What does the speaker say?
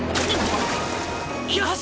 よし！